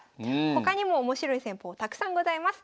他にも面白い戦法たくさんございます。